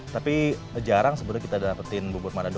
tapi jarang sebenarnya kita dapetin bubur manado